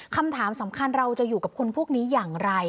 คำถามสำคัญเราจะอยู่กับคนพวกนี้อย่างไร